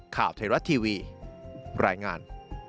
ข่าวไทยรัฐทีวีรายงาน